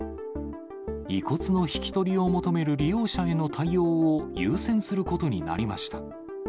遺骨の引き取りを求める利用者への対応を優先することになりました。